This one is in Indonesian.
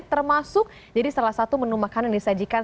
termasuk jadi salah satu menu makanan yang disajikan